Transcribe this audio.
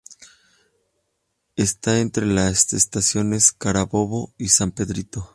Está entre las estaciones Carabobo y San Pedrito.